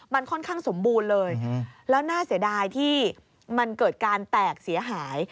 มันค่อนข้างสมบูรณ์เลยแล้วน่าเสียดายที่มันเกิดการแตกเสียหาย